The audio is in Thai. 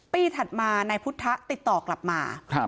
ถัดมานายพุทธติดต่อกลับมา